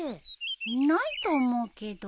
いないと思うけど。